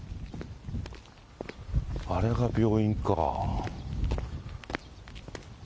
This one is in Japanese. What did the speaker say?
あれが病院か。